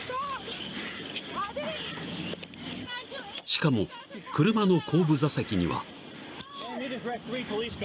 ［しかも車の後部座席には］